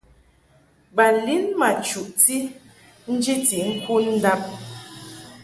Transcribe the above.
Ba lin ma chuʼti njiti ŋkud ndab.